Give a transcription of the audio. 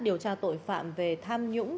điều tra tội phạm về tham nhũng